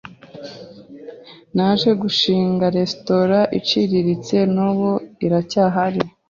Naje gushinga resitora iciriritse n’ubu iracyahari